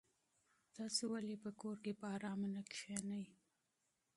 تاسو ولې په کور کې په ارامه نه کېنئ؟